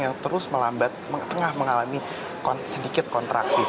yang terus melambat tengah mengalami sedikit kontraksi